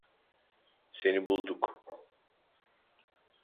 Seni bulduk.